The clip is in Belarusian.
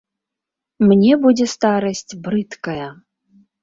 Мне будзе старасць брыдкая!